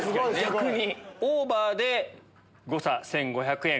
オーバーで誤差１５００円。